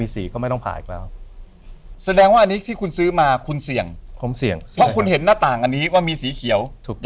ซึ่งเนื้อแก้วเนี่ย